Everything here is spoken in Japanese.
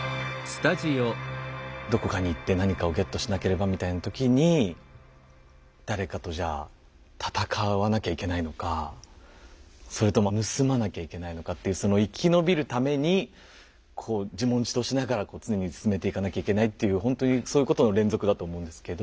「どこかに行って何かをゲットしなければ」みたいな時に誰かとじゃあ戦わなきゃいけないのかそれとも盗まなきゃいけないのかっていうその生き延びるためにこう「自問自答」しながらこう常に進めていかなきゃいけないっていうほんとにそういうことの連続だと思うんですけど。